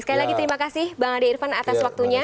sekali lagi terima kasih bang ade irfan atas waktunya